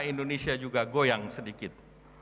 indonesia juga goyang sedikit